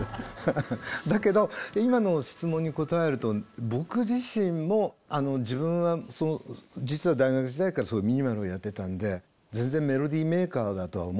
だけど今の質問に答えると僕自身も自分は実は大学時代からそういうミニマルをやってたんで全然メロディーメーカーだとは思っていなかった。